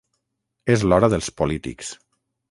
És l’hora dels polítics.